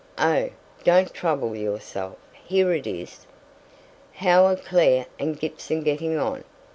Oh! don't trouble yourself, here it is. 'How are Clare and Gibson getting on?